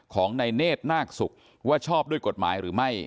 ของนายเนธนาคศุกร์ว่าชอบด้วยกฎหมายหรือไม่